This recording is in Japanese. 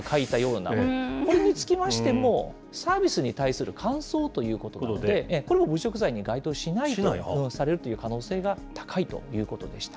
これにつきましても、サービスに対する感想ということなので、これも侮辱罪には該当しないと判断される可能性が高いということでした。